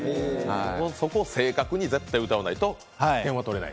そこを正確に絶対歌わないと点数は取れない。